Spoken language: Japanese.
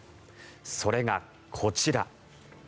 それが、こちら。